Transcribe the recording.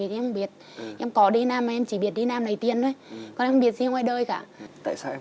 thì em biết em có đi nam em chỉ biết đi nam lấy tiền đấy con em biết gì ngoài đời cả tại sao em